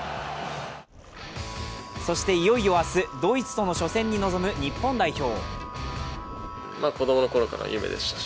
そしていよいよ明日、ドイツとの初戦に臨む日本代表。